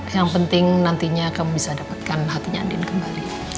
yang penting nantinya kamu bisa dapatkan hatinya andin kembali